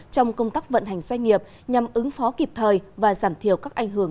trong công tác vận hành doanh nghiệp nhằm ứng phó kịp thời và giảm thiểu các ảnh hưởng